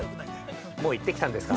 ◆もう行ってきたんですか。